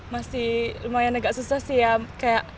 masih lumayan agak susah sih ya